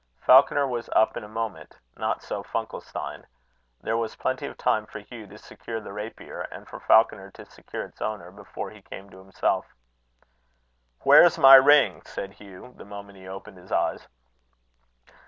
Falconer was up in a moment. Not so Funkelstein. There was plenty of time for Hugh to secure the rapier, and for Falconer to secure its owner, before he came to himself. "Where's my ring?" said Hugh, the moment he opened his eyes.